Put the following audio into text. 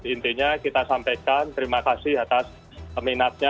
intinya kita sampaikan terima kasih atas minatnya